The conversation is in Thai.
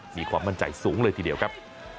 มีความมั่นใจสูงเลยทีเดียวครับ